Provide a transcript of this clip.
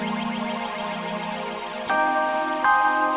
sampai jumpa lagi